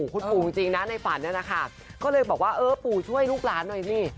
คุณปู่จริงนะในฝันนั้นนะคะก็เลยบอกว่าเออปู่ช่วยลูกหลานหน่อยสิ